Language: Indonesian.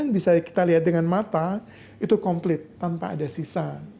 bisa kita lihat dengan mata itu komplit tanpa ada sisa